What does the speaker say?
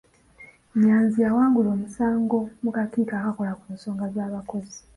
Nyanzi yawangula omusango mu kakiiko akakola ku nsonga z'abakozi.